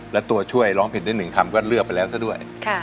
และตัวช่วยร้องผิดได้๑คำก็เลือกไปแล้วซะด้วย